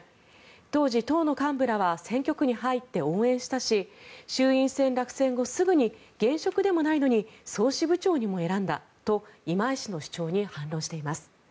当時、党の幹部らは選挙区に入って応援したし衆院選落選後すぐに現職でもないのに総支部長にも選んだと今井氏の主張に反論しています。